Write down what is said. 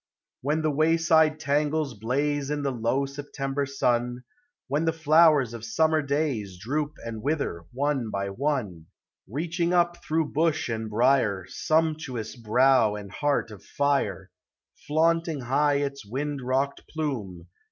When the wayside tangles blaze In the low September sun, Wheu the (lowers of Rummer dnyi Droop and wither, one hi one, Reaching ap through bush and brier, Sumptuous brow end henrl of fire, Flaunting high its wind rocked plume, 28G POEMS OF NATURE.